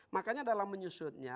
makanya dalam menyusutnya